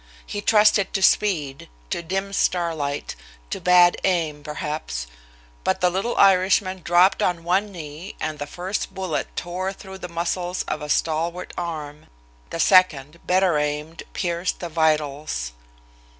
He trusted to speed, to dim starlight, to bad aim, perhaps; but the little Irishman dropped on one knee and the first bullet tore through the muscles of a stalwart arm; the second, better aimed, pierced the vitals.